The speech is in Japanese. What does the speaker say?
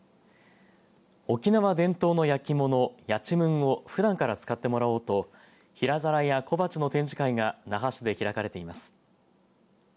沖縄伝統の焼き物やちむんをふだんから使ってもらおうと平皿や小鉢の展示会が那覇市で開かれています。